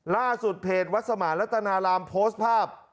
ล่าสุดเพจวัดสมานรัตนารามโพสต์ภาพ